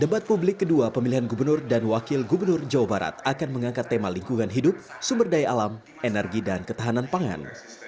debat publik kedua pemilihan gubernur dan wakil gubernur jawa barat akan mengangkat tema lingkungan hidup sumber daya alam energi dan ketahanan pangan